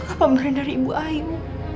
ini pemberian dari ibu ayu